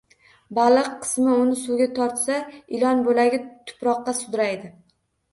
Baliq qismi uni suvga tortsa, ilon bo‘lagi tuproqqa sudraydi